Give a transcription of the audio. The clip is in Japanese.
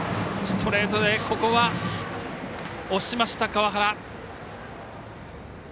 ストレートでここは押しました川原。